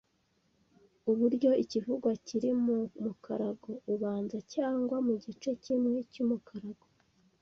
uburyo ikivugwa kiri mu mukarago ubanza cyangwa mu gice kimwe cy’umukarago